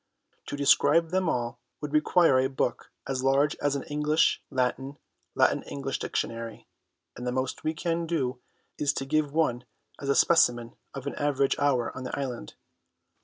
To describe them all would require a book as large as an English Latin, Latin English Dictionary, and the most we can do is to give one as a specimen of an average hour on the island.